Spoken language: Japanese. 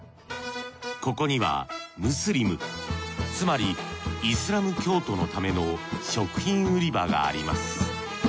ここにはムスリムつまりイスラム教徒のための食品売り場があります。